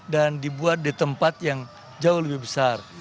dan dibuat di tempat yang jauh lebih besar